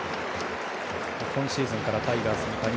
今シーズンからタイガースに加入。